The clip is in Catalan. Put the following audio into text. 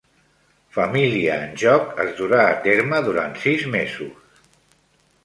"Família en joc" es durà a terme durant sis mesos.